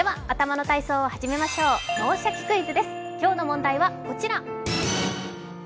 今日の問題はこちらです。